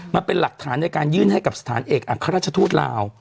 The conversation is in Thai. มาเป็นหลักฐานในการยื่นให้กับสถานเอกอัครราชทูตลาว